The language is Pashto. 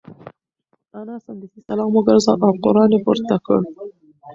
انا سمدستي سلام وگرځاوه او قران یې پورته کړ.